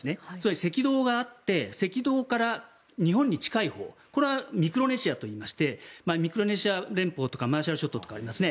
赤道があって赤道から日本に近いほうこれはミクロネシアといいましてミクロネシア連邦とかマーシャル諸島とかありますね。